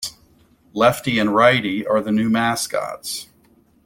Lefty and Righty are the new mascots.